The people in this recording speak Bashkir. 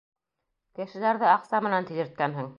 Кешеләрҙе аҡса менән тилерткәнһең.